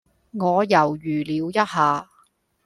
我猶豫了一下